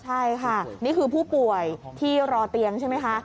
ใช่ค่ะนี่คือผู้ป่วยที่รอเตียงใช่ไหมคะ